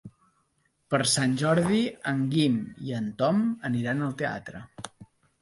Per Sant Jordi en Guim i en Tom aniran al teatre.